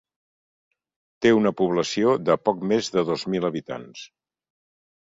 Té una població de poc més de dos mil habitants.